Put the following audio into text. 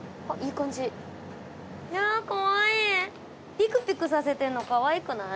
ピクピクさせてるのかわいくない？